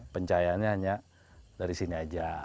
pencahayaannya hanya dari sini aja